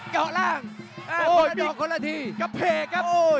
เจาะล่างโอ้โหมีกระเภกครับ